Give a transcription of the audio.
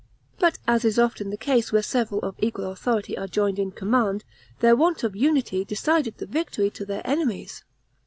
But, as is often the case where several of equal authority are joined in command, their want of unity decided the victory to their enemies.